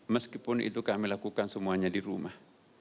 meskipun itu kami lakukan semuanya di rumah